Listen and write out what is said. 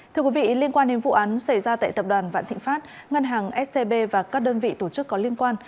thưa quý vị liên quan đến vụ án xảy ra tại tập đoàn vạn thịnh pháp ngân hàng scb và các đơn vị tổ chức có liên quan